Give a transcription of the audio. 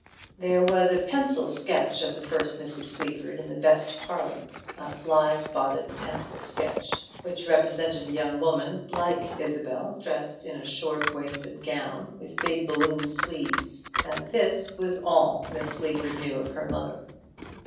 There was a pencil sketch of the first Mrs. Sleaford in the best parlour; a fly spotted pencil sketch, which represented a young woman like Isabel, dressed in a short waisted gown, with big balloon sleeves; and this was all Miss Sleaford knew of her mother.